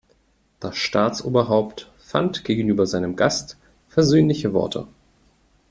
Das Staatsoberhaupt fand gegenüber seinem Gast versöhnliche Worte.